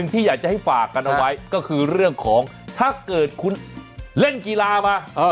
ถ้าเกิดคุณเล่นกีฬามา